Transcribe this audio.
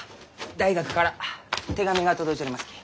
大学から手紙が届いちょりますき。